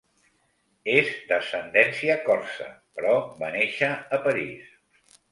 És d'ascendència corsa però va néixer a París.